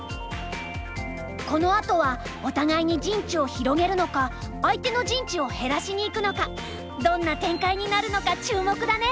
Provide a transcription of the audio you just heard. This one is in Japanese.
このあとはお互いに陣地を広げるのか相手の陣地を減らしにいくのかどんな展開になるのか注目だね。